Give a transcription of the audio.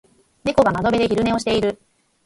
猫が窓辺で昼寝をしている。